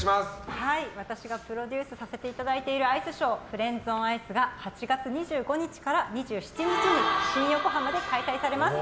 私がプロデュースをさせていただいているアイスショー「フレンズオンアイス」が８月２５日から２７日に新横浜で開催されます。